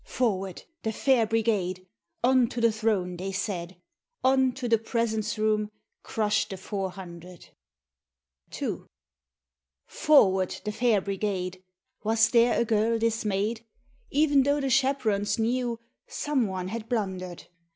Forward — the Fair Brigade ! On to the Throne, they said: On to the Presence Room Crushed the Four Hundred. n. Forward, the Fair Brigade ! Was there a girl dismayed ? E'en though the chaperons knew Some one had blundered.